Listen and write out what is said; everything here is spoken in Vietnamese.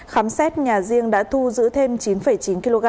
khám xét nhà riêng đã thu giữ thêm chín chín kg